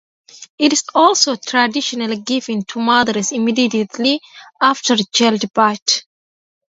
It is also traditionally given to mothers immediately after childbirth.